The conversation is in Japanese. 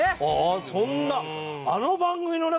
ああそんな。